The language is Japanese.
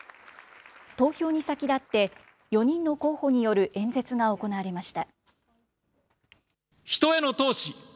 投票に先立って、４人の候補による演説が行われました。